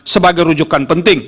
sebagai rujukan penting